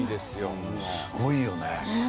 すごいよね。